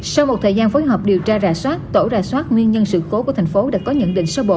sau một thời gian phối hợp điều tra rà soát tổ rà soát nguyên nhân sự cố của thành phố đã có nhận định sơ bộ